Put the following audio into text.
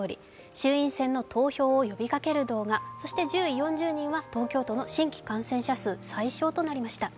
衆院選の投票を呼びかける動画そして１０位、４０人は東京都の新規感染者数、最少となりました。